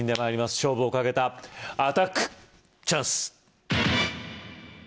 勝負をかけたアタックチャンス‼